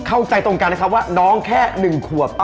เข้าใจตรงกันนะครับว่าน้องแค่๑ขวบ